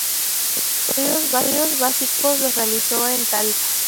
Sus estudios básicos los realizó en Talca.